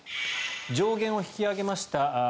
上限を引き上げました。